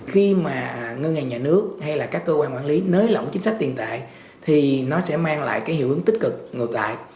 khi mà ngân hàng nhà nước hay là các cơ quan quản lý nới lỏng chính sách tiền tệ thì nó sẽ mang lại cái hiệu ứng tích cực ngược lại